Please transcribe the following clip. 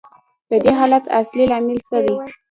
د دې حالت اصلي لامل څه دی